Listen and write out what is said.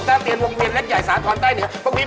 ต่างประเทศเราไปที่ไหนบ้างต่างประเทศ